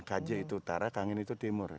kaje itu utara kangin itu timur